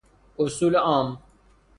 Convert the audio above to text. اصول عام